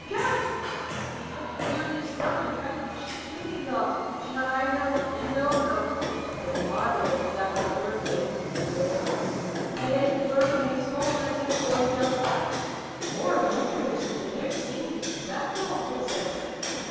and he kept clearing his throat and trying to catch the tune he had lost, pitching a high note and a low note; but the marvel of this laughter of the bird wakened me thoroughly, and I thanked the bird in my soul, and said to Goorelka, 'More wondrous than their singing, this laughter, O Princess!'